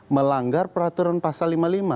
melanggar peraturan pasal lima puluh lima